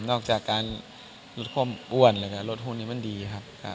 นอกจากออกจากรถโทนอ้วนหรือรถโทนนี้มันก็ดีครับ